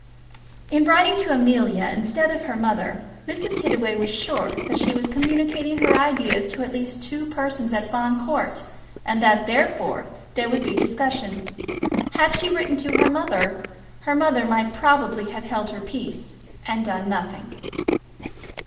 In writing to Amelia instead of to her mother, Mrs. Hittaway was sure that she was communicating her ideas to at least two persons at Fawn Court, and that therefore there would be discussion. Had she written to her mother, her mother might probably have held her peace, and done nothing.